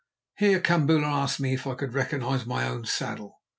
Here Kambula asked me if I could recognise my own saddle.